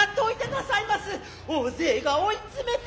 大勢が追詰めて。